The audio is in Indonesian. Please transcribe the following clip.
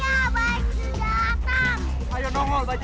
aduh kemana sih ini mbak